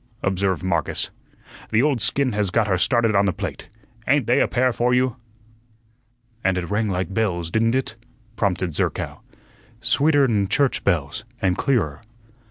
observed Marcus. "The old skin has got her started on the plate. Ain't they a pair for you?" "And it rang like bells, didn't it?" prompted Zerkow. "Sweeter'n church bells, and clearer."